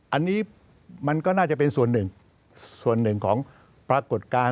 อันนี้มันก็น่าจะเป็นส่วนหนึ่งส่วนหนึ่งของปรากฏการณ์